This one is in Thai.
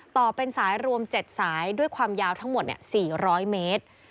ต่อเป็นสายรวม๗สายด้วยความยาวทั้งหมด๔๐๐เมตร